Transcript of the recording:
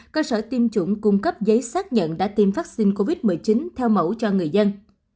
cơ sở tiêm chủng cung cấp giấy xác nhận đã tiêm vaccine covid một mươi chín theo mẫu cho người dân